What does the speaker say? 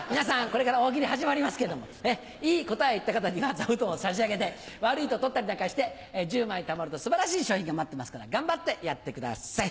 これから大喜利始まりますけれどもいい答えを言った方には座布団を差し上げて悪いと取ったりなんかして１０枚たまると素晴らしい賞品が待ってますから頑張ってやってください。